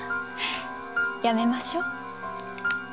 やめましょう。